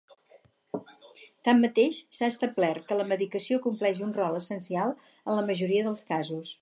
Tanmateix, s'ha establert que la medicació compleix un rol essencial en la majoria dels casos.